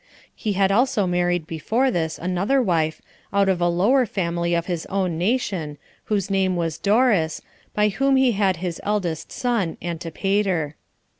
He had also married before this another wife, out of a lower family of his own nation, whose name was Doris, by whom he had his eldest son Antipater.